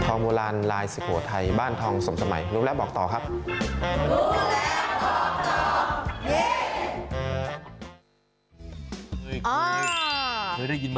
โบราณลายสุโขทัยบ้านทองสมสมัยรู้แล้วบอกต่อครับ